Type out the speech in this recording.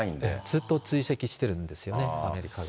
ずっと追跡してるんですよね、アメリカは。